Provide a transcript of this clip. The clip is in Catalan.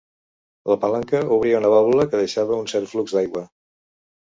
La palanca obria una vàlvula que deixava un cert flux d'aigua.